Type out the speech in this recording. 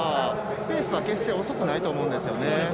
ペースは決して遅くないと思うんですよね。